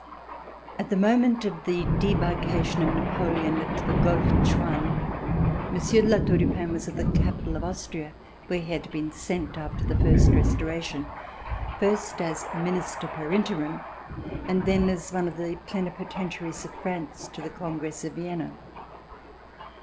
At the moment of the debarkation of Napoleon at the Golfe Juan, Monsieur de La Tour du Pin was at the capital of Austria where he had been sent after the First Restoration, first as Minister per interim and then as one of the Plenipotentiaries of France to the Congress of Vienna.